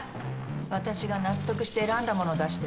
私が納得して選んだもの出してるの。